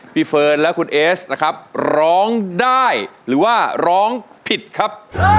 เฟิร์นและคุณเอสนะครับร้องได้หรือว่าร้องผิดครับ